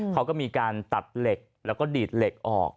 เขาก็มีการตัดเหล็กแล้วก็ดีดเหล็กออก